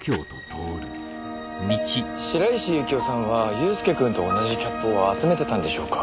白石幸生さんは祐介くんと同じキャップを集めてたんでしょうか？